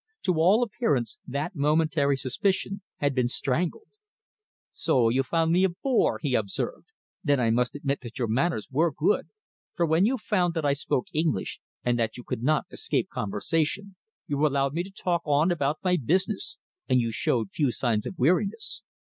To all appearance that momentary suspicion had been strangled. "So you found me a bore!" he observed. "Then I must admit that your manners were good, for when you found that I spoke English and that you could not escape conversation, you allowed me to talk on about my business, and you showed few signs of weariness.